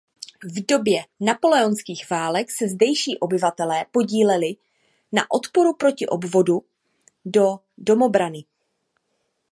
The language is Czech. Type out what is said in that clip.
V době napoleonských válek se zdejší obyvatelé podíleli na odporu proti odvodu do domobrany.